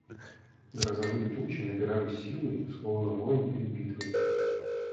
Грозовые тучи набирались силой, словно воин перед битвой.